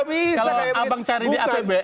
kalau abang cari di apbn